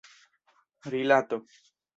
rilato